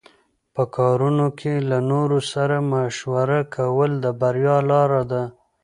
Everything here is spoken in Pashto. په کارونو کې له نورو سره مشوره کول د بریا لاره ده.